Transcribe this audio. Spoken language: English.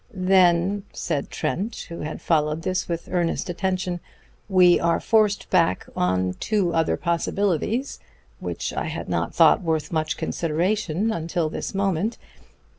"Then," said Trent, who had followed this with earnest attention, "we are forced back on two other possibilities, which I had not thought worth much consideration until this moment.